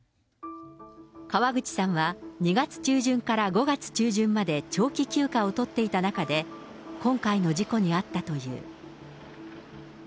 河口さんは２月中旬から５月中旬まで、長期休暇を取っていた中で、今回の事故に遭ったという。